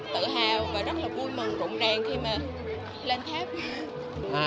tự hào và rất là vui mừng rụng ràng khi mà lên tháp